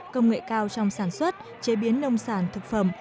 công nghệ cao trong sản xuất chế biến nông sản thực phẩm